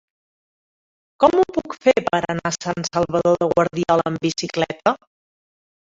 Com ho puc fer per anar a Sant Salvador de Guardiola amb bicicleta?